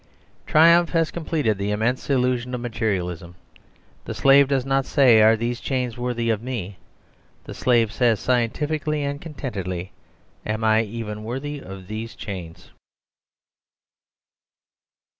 Triumph has completed the immense illusion of materialism. The slave does not say, "Are these chains worthy of me?" The slave says scientifically and contentedly, "Am I even worthy of these chains?"